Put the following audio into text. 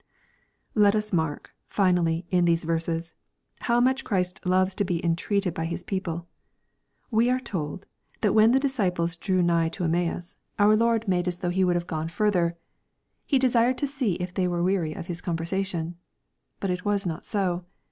Let us mark, finally, in these verses, 7ioi^ much Ghrist loves to be entreated by His people. We are told, that ^ivhen the disciples drew nigh to Emmaus, our Lord 502 EXPOSITORY THOUGHTS. "made as though he would have gone further." He desired to see if they were weary of His conversation. But it was not so.